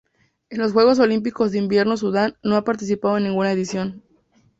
En los Juegos Olímpicos de Invierno Sudán no ha participado en ninguna edición.